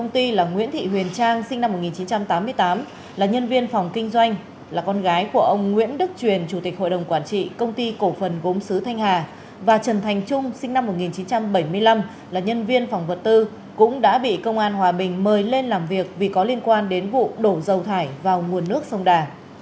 trần thành trung sinh năm một nghìn chín trăm bảy mươi năm là nhân viên phòng vật tư cũng đã bị công an hòa bình mời lên làm việc vì có liên quan đến vụ đổ dầu thải vào nguồn nước sông đà